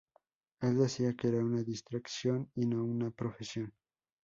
El decía que era una distracción y no una profesión.